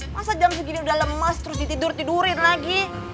masa jam segini udah lemas terus ditidur tidurin lagi